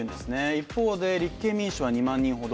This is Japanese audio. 一方で立憲民主党は２万人ほど。